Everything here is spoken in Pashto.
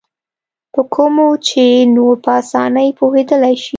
په کومو چې نور په اسانۍ پوهېدلای شي.